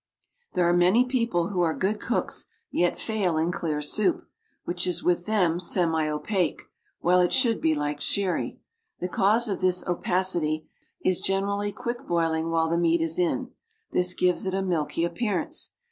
There are many people who are good cooks, yet fail in clear soup, which is with them semi opaque, while it should be like sherry. The cause of this opacity is generally quick boiling while the meat is in. This gives it a milky appearance.